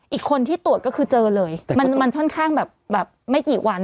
อีกคนที่ตรวจก็คือเจอเลยมันค่อนข้างแบบไม่กี่วัน